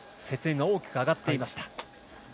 雪煙が大きく上がっていました。